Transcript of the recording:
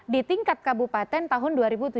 di tingkat kabupaten tahun dua ribu tujuh belas